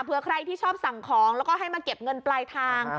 เพื่อใครที่ชอบสั่งของแล้วก็ให้มาเก็บเงินปลายทาง